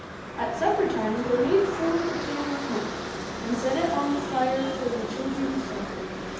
At supper time the maid filled the pan with milk, and set it on the fire for the children's supper.